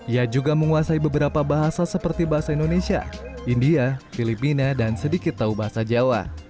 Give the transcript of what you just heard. ia juga menguasai beberapa bahasa seperti bahasa indonesia india filipina dan sedikit tahu bahasa jawa